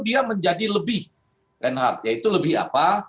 dia menjadi lebih reinhardt yaitu lebih apa